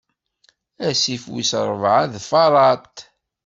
Asif wis ṛebɛa d Faṛat.